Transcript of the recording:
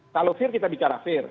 kalau fear kita bicara fair